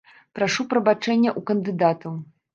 Прашу прабачэння ў кандыдатаў.